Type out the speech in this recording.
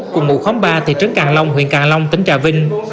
cùng ngụ khóm ba thị trấn càng long huyện càng long tỉnh trà vinh